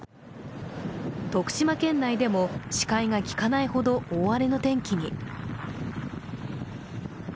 徳島県内でも、視界がきかないほど大荒れの天気に。